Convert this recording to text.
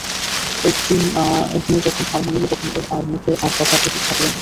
একদিন এ যখন হার মানিবে তখন এর মুখে আর কথা থাকিবে না।